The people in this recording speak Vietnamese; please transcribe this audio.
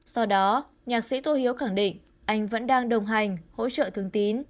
sau đó nhạc sĩ tổ hiếu khẳng định anh vẫn đang đồng hành hỗ trợ thương tín